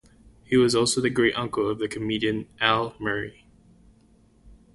He was also the great uncle of the comedian Al Murray.